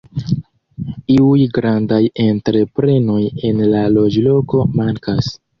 Iuj grandaj entreprenoj en la loĝloko mankas.